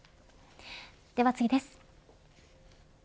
では次です。